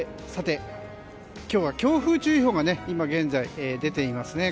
今日は強風注意報が今現在出ています。